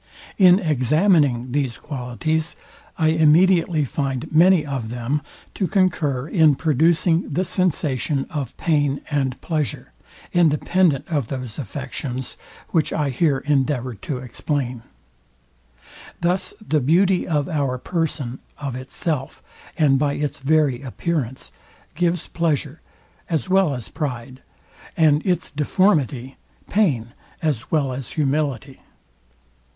In examining these qualities I immediately find many of them to concur in producing the sensation of pain and pleasure, independent of those affections, which I here endeavour to explain. Thus the beauty of our person, of itself, and by its very appearance, gives pleasure, as well as pride; and its deformity, pain as well as humility.